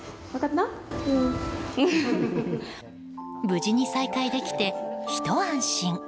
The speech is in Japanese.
無事に再会できて、ひと安心。